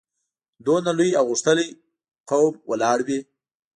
دومره لوی او غښتلی قوم ولاړ وي.